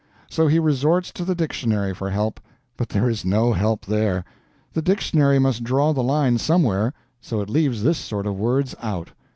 So he resorts to the dictionary for help, but there is no help there. The dictionary must draw the line somewhere so it leaves this sort of words out.